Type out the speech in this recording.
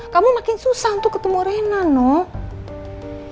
kamu makin susah untuk ketemu rena no